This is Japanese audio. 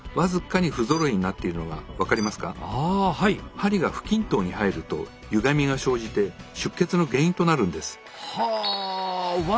針が不均等に入るとゆがみが生じて出血の原因となるんです。